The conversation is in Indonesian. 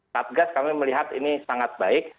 satgas kami melihat ini sangat baik